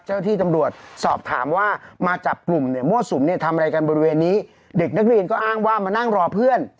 เจ้าหน้าที่ตำรวจสอบถามว่ามาจับกลุ่มเนี่ยมั่วสุมเนี่ยทำอะไรกันบริเวณนี้เด็กนักเรียนก็อ้างว่ามานั่งรอเพื่อน